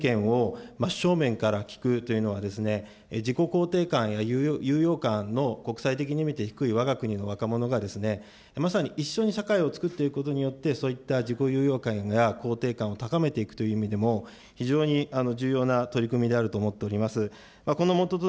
まさに子ども・若者の意見を真っ正面から聞くというのは、自己肯定感やゆうよう感の国際的に見て低いわが国の若者がまさに一緒に社会をつくっていくことによって、そういった自己ゆうよう感や肯定感を高めていくという意味でも、非常に重要な取り組みであると思っております。